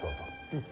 うん。